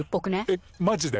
えっマジで？